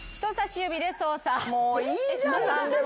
もういいじゃん何でも。